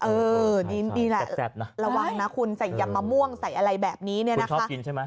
เออนี่แหละระวังนะคุณใส่ยำมะม่วงใส่อะไรแบบนี้เนี่ยนะคะกินใช่ไหม